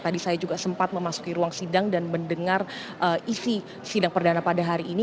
tadi saya juga sempat memasuki ruang sidang dan mendengar isi sidang perdana pada hari ini